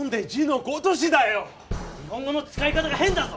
日本語の使い方が変だぞ！